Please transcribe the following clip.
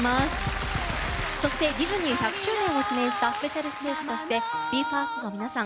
そしてディズニー１００周年を記念したスペシャルステージとしてＢＥ：ＦＩＲＳＴの皆さん